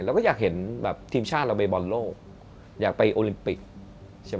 เราก็อยากเห็นแบบทีมชาติเราไปบอลโลกอยากไปโอลิมปิกใช่ไหม